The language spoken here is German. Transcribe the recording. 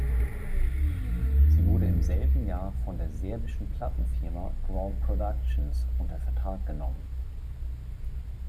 Sie wurde im selben Jahr von der serbischen Plattenfirma Grand Productions unter Vertrag genommen.